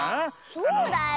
そうだよ。